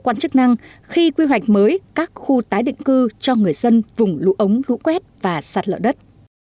đây là một trong những chức năng khi quy hoạch mới các khu tái định cư cho người dân vùng lũ ống lũ quét và sạt lợ đất